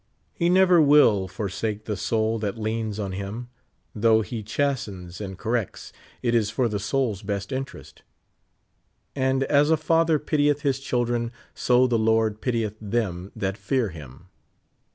He never 80 will forsake the soul that leans on him ; though he chas tens and corrects, it is for the soul's best interest. "And as a father pitieth his children, so the Lord pitieth them that fear him.''